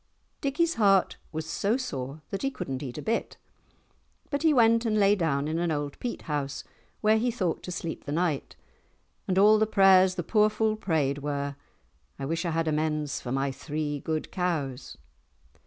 Dickie's heart was so sore that he could not eat a bit, but he went and lay down in an old peat house where he thought to sleep the night, and all the prayers the poor fool prayed were, "I wish I had amends for my three good cows."